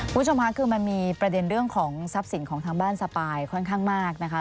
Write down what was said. คุณผู้ชมค่ะคือมันมีประเด็นเรื่องของทรัพย์สินของทางบ้านสปายค่อนข้างมากนะคะ